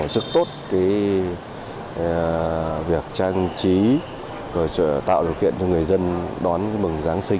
sức tốt việc trang trí tạo điều kiện cho người dân đón mừng giáng sinh